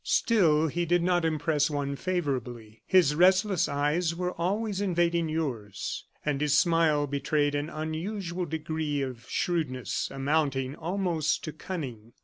Still he did not impress one favorably. His restless eyes were always invading yours; and his smile betrayed an unusual degree of shrewdness, amounting almost to cunning.